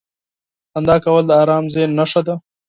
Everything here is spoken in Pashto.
• خندا کول د ارام ذهن نښه ده.